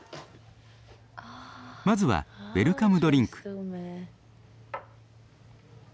まずはウェルカムドリンク。